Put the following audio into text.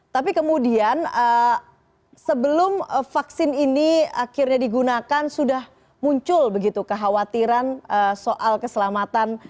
tapi kemudian sebelum vaksin ini akhirnya digunakan sudah muncul begitu kekhawatiran soal keselamatan